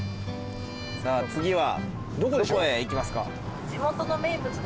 さあ次はどこへ行きますか？